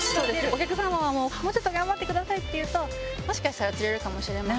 お客様も「もうちょっと頑張ってください」って言うともしかしたら釣れるかもしれません。